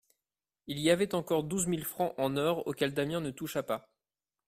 Il y avait encore douze mille francs en or auxquels Damiens ne toucha pas.